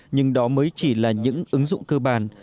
nhưng đó mới chỉ là những ứng dụng cơ bản